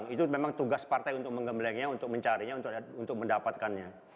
itu memang tugas partai untuk menggemblengnya untuk mencarinya untuk mendapatkannya